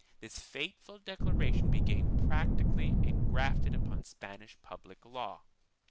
2 This fateful declaration became practically engrafted upon Spanish public law.